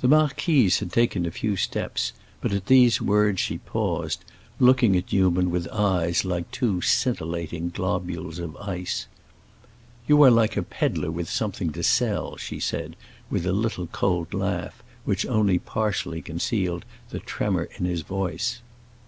The marquise had taken a few steps, but at these words she paused, looking at Newman with eyes like two scintillating globules of ice. "You are like a peddler with something to sell," she said, with a little cold laugh which only partially concealed the tremor in her voice.